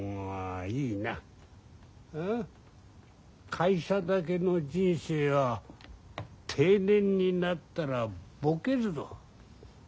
会社だけの人生は定年になったらボケるぞ。